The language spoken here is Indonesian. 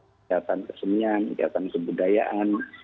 kegiatan kesemian kegiatan kebudayaan